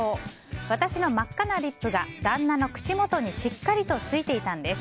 私の真っ赤なリップが旦那の口元にしっかりとついていたんです。